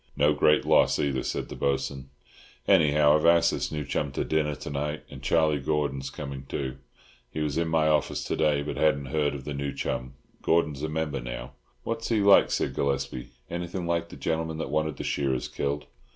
"No great loss, either," said the Bo'sun. "Anyhow I've asked this new chum to dinner to night, and Charlie Gordon's coming too. He was in my office to day, but hadn't heard of the new chum. Gordon's a member now." "What's he like?" said Gillespie. "Anything like the gentleman that wanted the shearers killed?"